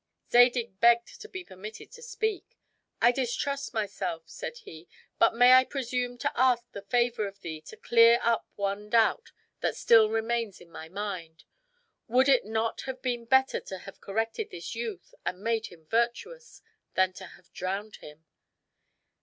Zadig begged to be permitted to speak. "I distrust myself," said he, "but may I presume to ask the favor of thee to clear up one doubt that still remains in my mind? Would it not have been better to have corrected this youth, and made him virtuous, than to have drowned him?"